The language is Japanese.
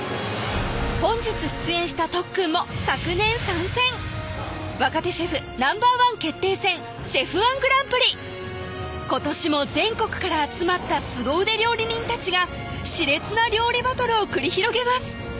本日出演したとっくんも昨年参戦若手シェフＮｏ．１決定戦今年も全国から集まった凄腕料理人たちがしれつな料理バトルを繰り広げます